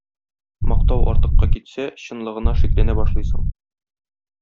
Мактау артыкка китсә чынлыгына шикләнә башлыйсың.